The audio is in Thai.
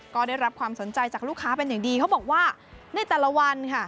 ก็ได้รับความสนใจจากลูกค้าเป็นอย่างดีเขาบอกว่าในแต่ละวันค่ะ